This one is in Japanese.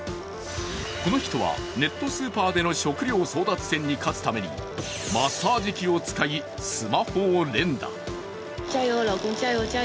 この人はネットスーパーでの食料争奪戦に勝つためにマッサージ器を使い、スマホを連打。